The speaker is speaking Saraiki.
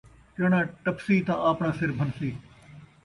چݨاں ٹپسی تاں آپݨا سِر بھنسی